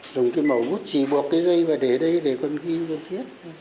dùng cái mẫu bút chỉ buộc cái dây và để đây để con ghi con viết